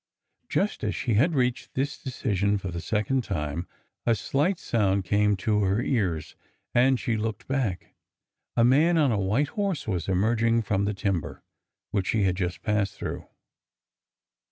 Just as she had reached this decision for the second time, a slight sound came to her ears and she looked back. A man^on a white horse was emerging from the timber that she had just passed through.